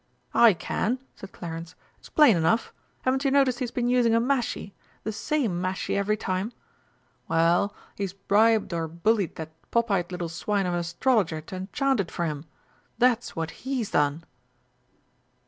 "I can," said Clarence; "it's plain enough. Haven't you noticed he's been using a mashie the same mashie every time? Well, he's bribed or bullied that pop eyed little swine of an Astrologer to enchant it for him that's what he's done!"